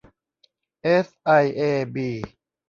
เอสไอเอสบี